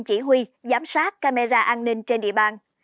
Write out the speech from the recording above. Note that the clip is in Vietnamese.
chỉ huy giám sát camera an ninh trên địa bàn